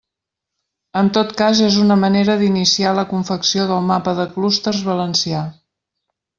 En tot cas és una manera d'iniciar la confecció del mapa de clústers valencià.